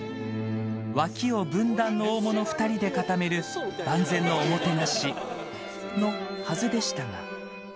脇を文壇の大物２人で固める万全のおもてなしのはずでしたが。